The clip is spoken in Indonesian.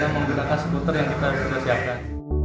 menggunakan skuter yang kita sudah siapkan